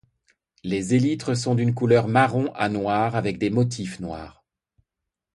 Les élytres sont d'une couleur marron à noire avec des motifs noirs.